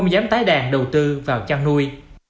đàn đầu tư vào chăn nuôi